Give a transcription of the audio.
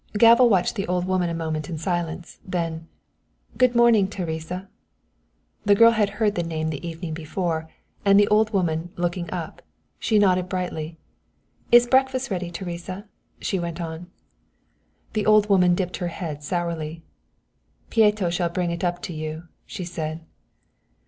Galva watched the old woman for a moment in silence, then "Good morning, Teresa." The girl had heard the name the evening before, and on the old woman looking up, she nodded brightly. "Is breakfast ready, Teresa?" she went on. The old woman dipped her head sourly. "Pieto shall bring it up to you," she said.